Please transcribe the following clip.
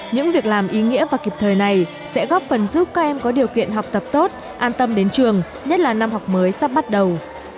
những việc làm ý nghĩa và kịp thời này sẽ góp phần giúp các em có điều kiện học tập tốt an tâm đến trường nhất là năm học mới sắp bắt đầu